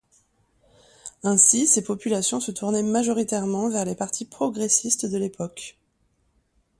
Ainsi ces populations se tournaient majoritairement vers les partis progressistes de l'époque.